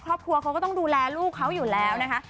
ครอบครัวเขาก็ต้องดูแลลูกเขาอยู่แล้วนะคะ